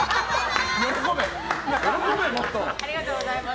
ありがとうございます。